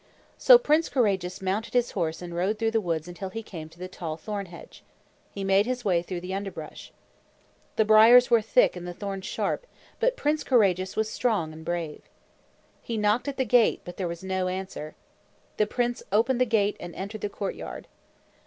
So Prince Courageous mounted his horse and rode through the woods until he came to the tall thorn hedge. He made his way through the underbrush. The briers were thick and the thorns sharp, but Prince Courageous was strong and brave. He knocked at the gate, but there was no answer. The prince opened the gate and entered the courtyard.